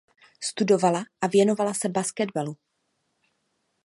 Studovala a věnovala se baseballu.